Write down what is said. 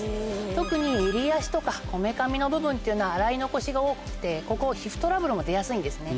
特にえりあしとかこめかみの部分っていうのは洗い残しが多くてここ皮膚トラブルも出やすいんですね。